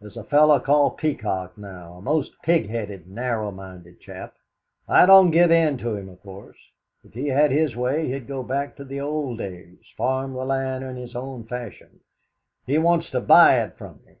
There's a fellow called Peacock, now, a most pig headed, narrowminded chap. I don't give in to him, of course. If he had his way, he'd go back to the old days, farm the land in his own fashion. He wants to buy it from me.